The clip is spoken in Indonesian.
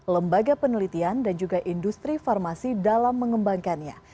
lembaga penelitian dan juga industri farmasi dalam mengembangkannya